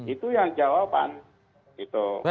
itu yang jawaban